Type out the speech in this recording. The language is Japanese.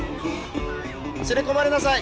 連れ込まれなさい！